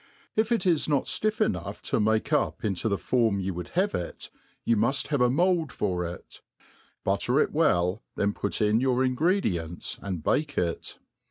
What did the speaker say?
If it is not fljff enough to make up into the form you would have it, you muft have a mould for it ; butter it well, then put in your ingredients, and bake it.